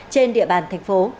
trên địa bàn thành phố